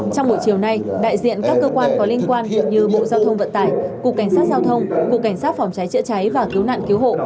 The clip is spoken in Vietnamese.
trong buổi chiều nay đại diện các cơ quan có liên quan như bộ giao thông vận tải cục cảnh sát giao thông cục cảnh sát phòng cháy chữa cháy và cứu nạn cứu hộ